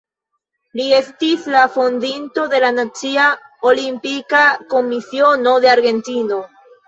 Li estis la fondinto de la Nacia Olimpika Komisiono de Argentino.